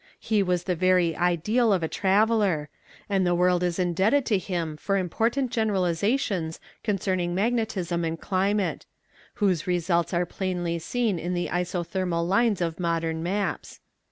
He was the very ideal of a traveller, and the world is indebted to him for important generalizations concerning magnetism and climate; whose results are plainly seen in the isothermal lines of modern maps.